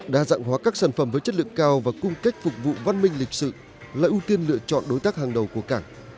đa dạng hóa các sản phẩm với chất lượng cao và cung cách phục vụ văn minh lịch sự là ưu tiên lựa chọn đối tác hàng đầu của cảng